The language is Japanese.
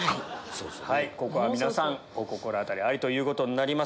ここは皆さんお心当たりありということになります。